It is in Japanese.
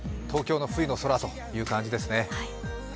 東京の冬の空という感じですね。